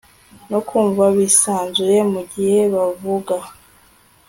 no kumva bisanzuye mu gihe bavuga